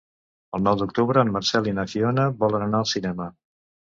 El nou d'octubre en Marcel i na Fiona volen anar al cinema.